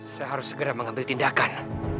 saya harus segera mengambil tindakan